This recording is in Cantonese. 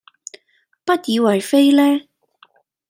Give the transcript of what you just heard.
不以爲非呢？